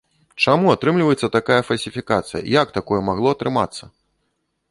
Чаму атрымліваецца такая фальсіфікацыя, як такое магло атрымацца?!